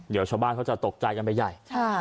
เดี๋ยวชาวบ้านเขาจะตกใจกันไปใหญ่